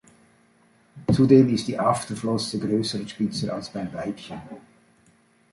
Zudem ist die Afterflosse größer und spitzer als beim Weibchen.